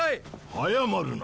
早まるな。